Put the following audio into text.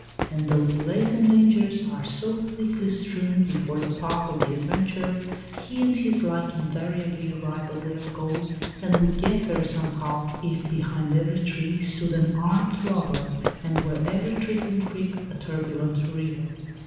And though delays and dangers are so thickly strewn before the path of the adventurer, he and his like invariably arrive at their goal and would get there somehow, if behind every tree stood an armed robber, and were every trickling creek a turbulent river.